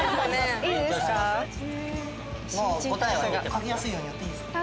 書きやすいように寄っていいですか？